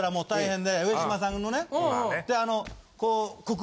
で